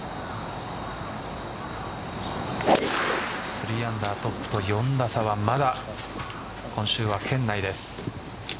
３アンダートップと４打差はまだ今週は圏内です。